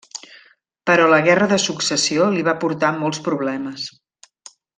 Però la Guerra de Successió li va portar molts problemes.